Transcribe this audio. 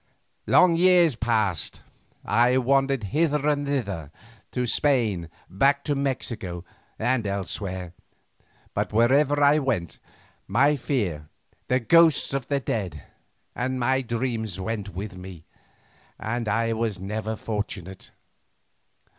Long years passed, I wandered hither and thither, to Spain, back to Mexico, and elsewhere, but wherever I went my fear, the ghosts of the dead, and my dreams went with me, and I was never fortunate.